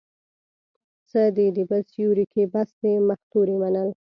څه دي د بل سيوري کې، بس د مختورۍ منل